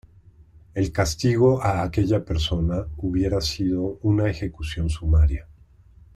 El castigo a aquella persona hubiera sido una ejecución sumaria.